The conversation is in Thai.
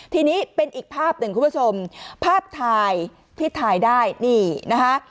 ทีนี้เป็นอีกภาพหนึ่งคุณผู้ชมภาพถ่ายที่ถ่ายได้นี่นะคะ